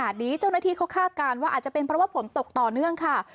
สาเหตุขนาดนี้เจ้าหน้าที่เขาฆ่าการว่าอาจจะเป็นเพราะว่าฝนตกต่อเนื่องค่ะ